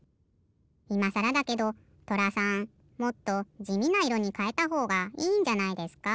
いまさらだけどとらさんもっとじみないろにかえたほうがいいんじゃないですか？